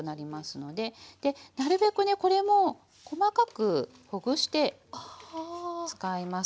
でなるべくねこれも細かくほぐして使います。